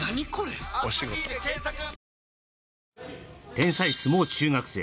天才相撲中学生